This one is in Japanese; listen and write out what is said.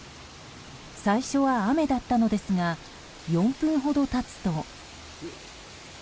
最初は雨だったのですが４分ほど経つと。